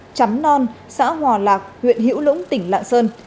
tỉnh lạng sơn chấm non xã hòa lạc huyện hữu lũng tỉnh lạng sơn